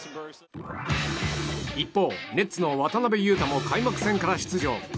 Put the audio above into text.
一方、ネッツの渡邊雄太も開幕戦から出場。